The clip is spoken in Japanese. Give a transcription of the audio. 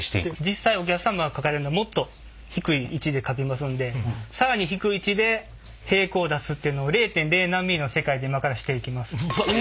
実際お客さんがかかれるのはもっと低い位置でかきますんで更に低い位置で平行を出すっていうのを０．０何ミリの世界で今からしていきます。